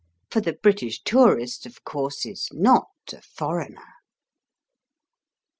For the British tourist, of course, is NOT a foreigner.